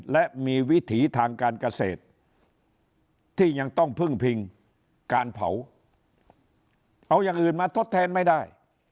และมีวิถีทางการเกษตรที่ยังต้องพึ่งพิงการเผาเอาอย่างอื่นมาทดแทนไม่ได้